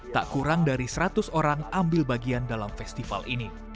tak kurang dari seratus orang ambil bagian dalam festival ini